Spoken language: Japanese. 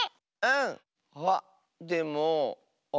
うん！あっでもあれ？